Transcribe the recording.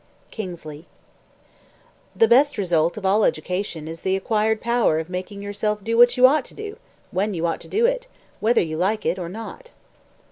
KINGSLEY The best result of all education is the acquired power of making yourself do what you ought to do, when you ought to do it, whether you like it or not.